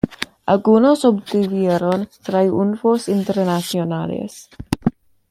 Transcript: Algunos obtuvieron triunfos internacionales.